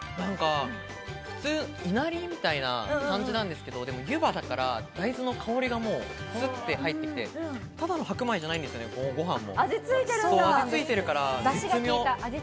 普通いなりみたいな感じなんですけど、ゆばだから大豆の香りがスッて入ってきて、ただの白米じゃないんですよ、ご飯も。